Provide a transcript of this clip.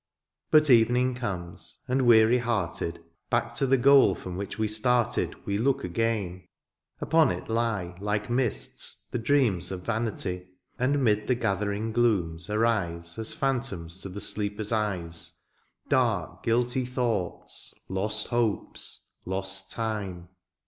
But evening comes, and weary hearted. Back to the goal from which we started We look again ; upon it lie. Like mists, the dreams of vanity ; And 'mid the gathering glooms arise. As phantoms to the sleeper's eyes. Dark guilty thoughts, lost hopes, lost time.